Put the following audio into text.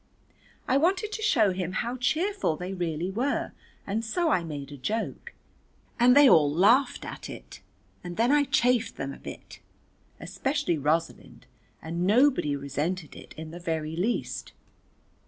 I wanted to show him how cheerful they really were, and so I made a joke and they an laughed at it, and then I chaffed them a bit, especially Rosalind, and nobody resented it in the very least.